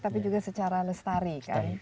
tapi juga secara lestari kan